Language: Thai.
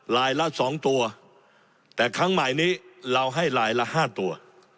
ละ๒ตัวแต่ครั้งใหม่นี้เราให้ลายละ๕ตัว